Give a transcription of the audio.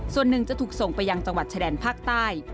ส่วนหนึ่งจะถูกส่งไปยังจังหวัดชายแดนภาคใต้